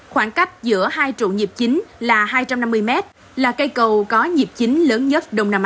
khoảng cách giữa hai trụ nhịp chính là hai trăm năm mươi m là cây cầu có nhịp chính lớn nhất đông nam á